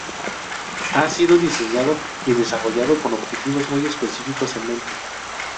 Ha sido diseñado y desarrollado con objetivos muy específicos en mente.